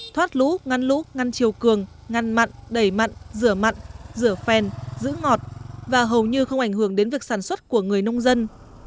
thoát lũ ngăn lũ ngăn chiều cường ngăn mặn đẩy mặn rửa mặn rửa phèn giữ ngọt và hầu như không ảnh hưởng đến việc sản xuất của người nông dân